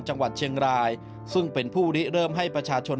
จังหวัดเชียงรายซึ่งเป็นผู้ริเริ่มให้ประชาชน